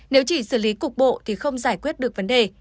nếu chỉ xử lý cục bộ thì không giải quyết được vấn đề